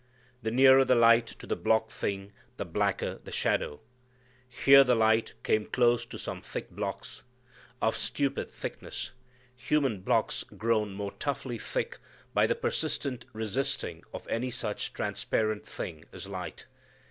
The nearer the light to the block thing the blacker the shadow. Here the light came close to some thick blocks; of stupid thickness; human blocks grown more toughly thick by the persistent resisting of any such transparent thing as light.